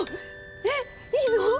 えっいいの？